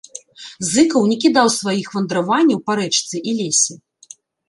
Зыкаў не кідаў сваіх вандраванняў па рэчцы і лесе.